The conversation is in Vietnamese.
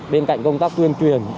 bên cạnh công tác tuyên truyền